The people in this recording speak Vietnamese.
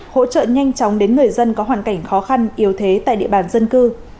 hỗ trợ nhanh chóng đến người dân có hoàn cảnh khó khăn yếu thế tại địa bàn dân cư